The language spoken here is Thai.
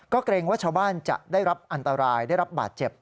ก็เกรงว่าชาวบ้านจะได้รับอันตรายได้รับบาดเจ็บ